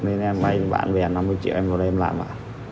nên em vay bản về năm mươi triệu em vào đây em làm ạ